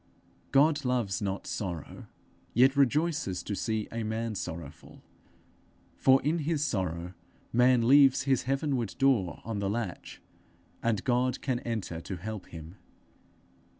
God loves not sorrow, yet rejoices to see a man sorrowful, for in his sorrow man leaves his heavenward door on the latch, and God can enter to help him.